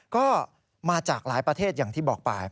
ก็มาจากหลายประเทศอย่างที่บอกไป